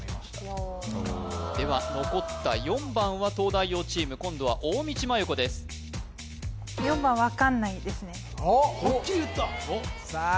おおでは残った４番は東大王チーム今度は大道麻優子ですハッキリ言ったさあ